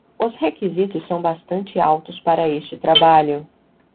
Os requisitos são bastante altos para este trabalho.